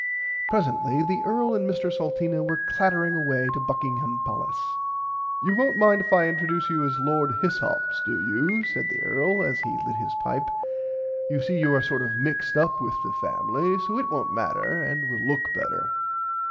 Presently the earl and Mr Salteena were clattering away to Buckingham palace. You wont mind if I introduce you as Lord Hyssops do you said the earl as he lit his pipe. You see you are sort of mixed up with the family so it wont matter and will look better.